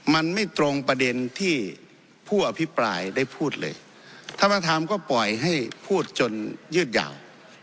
มันไม่ตรงประเด็นที่ผู้อภิปรายได้พูดเลยท่านประธานก็ปล่อยให้พูดจนยืดยาว